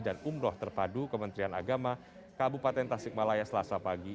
dan umroh terpadu kementerian agama kabupaten tasikmalaya selasa pagi